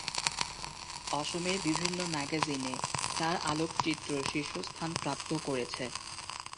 অসমের বিভিন্ন ম্যাগাজিনে তার আলোকচিত্র শীর্ষস্থান প্রাপ্ত করেছে।